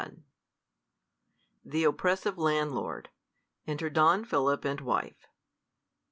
I The Oppressive Landlord. Enter Don Philip and Wife.